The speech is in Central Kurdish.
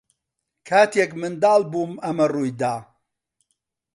کاتێک منداڵ بووم ئەمە ڕووی دا.